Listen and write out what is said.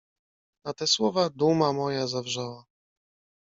"Na te słowa duma moja zawrzała."